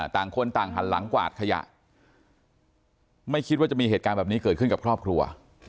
ต่างคนต่างหันหลังกวาดขยะไม่คิดว่าจะมีเหตุการณ์แบบนี้เกิดขึ้นกับครอบครัว